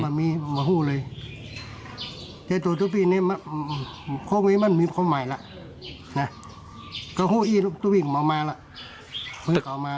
มันมีเหมาะสมเลยเทศตัวทุกปีนี้มันมีความหมายแล้ว